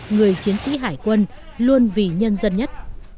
người chiến sĩ hải quân luôn vì nhân dân nhất